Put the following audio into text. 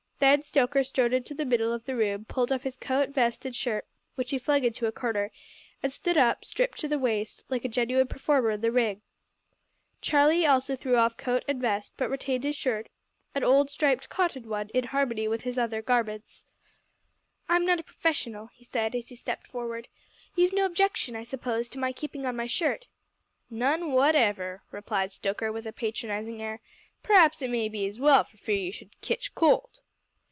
Then Stoker strode into the middle of the room, pulled off his coat, vest, and shirt, which he flung into a corner, and stood up, stripped to the waist, like a genuine performer in the ring. Charlie also threw off coat and vest, but retained his shirt an old striped cotton one in harmony with his other garments. "I'm not a professional," he said, as he stepped forward; "you've no objection, I suppose, to my keeping on my shirt?" "None whatever," replied Stoker, with a patronising air; "p'r'aps it may be as well for fear you should kitch cold."